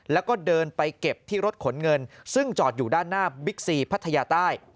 แล้วก็เดินไปเก็บที่รถขนเงินซึ่งจอดอยู่ด้านหน้าบิ๊กซีพัทยาใต้